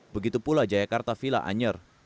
begitu pula jayakarta villa anyer